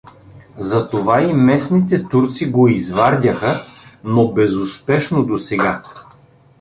Затова и местните турци го извардяха, но безуспешно досега.